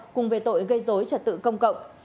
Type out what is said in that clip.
cùng về tội gây dối trật tự công cộng